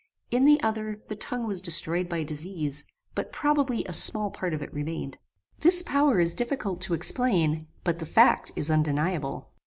In the other, the tongue was destroyed by disease, but probably a small part of it remained. This power is difficult to explain, but the fact is undeniable.